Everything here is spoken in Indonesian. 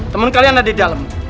teman kalian ada di dalam